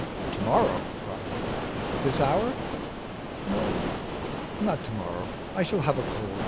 " To morrow," cries Elias, " at this hour? "'' No, not to moiTow — I shall have a cold —